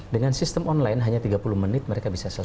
dengan sistem online hanya tiga puluh menit mereka bisa selesai